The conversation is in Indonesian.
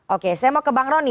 oke saya mau ke bang rony